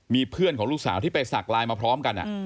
มีเพื่อนของลูกสาวที่ไปสักไลน์มาพร้อมกัน